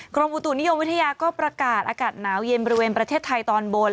กรมอุตุนิยมวิทยาก็ประกาศอากาศหนาวเย็นบริเวณประเทศไทยตอนบน